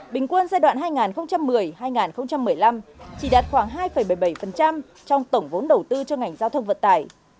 bình quân giai đoạn hai nghìn một mươi hai nghìn một mươi năm chỉ đạt khoảng hai bảy mươi bảy trong tổng vốn đầu tư cho ngành giao thông vận tải